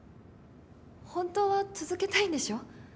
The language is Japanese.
本当は続けたいんでしょ？